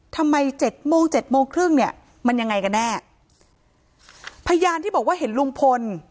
เจ็ดโมงเจ็ดโมงครึ่งเนี่ยมันยังไงกันแน่พยานที่บอกว่าเห็นลุงพล